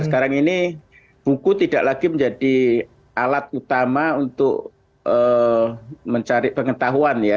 sekarang ini buku tidak lagi menjadi alat utama untuk mencari pengetahuan ya